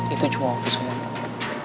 itu cuma aku semua mau